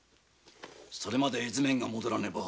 それまでに絵図面が戻らねば。